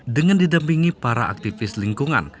dengan didampingi para aktivis lingkungan